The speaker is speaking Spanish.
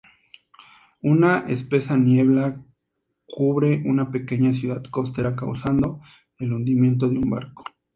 Una espesa niebla cubre una pequeña ciudad costera causando el hundimiento de un barco.